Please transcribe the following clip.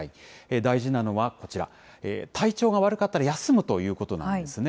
大事なのはこちら、体調が悪かったら休むということなんですね。